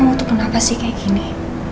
mau tuh kenapa sih kayak gini